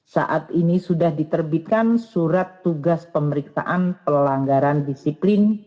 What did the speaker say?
saat ini sudah diterbitkan surat tugas pemeriksaan pelanggaran disiplin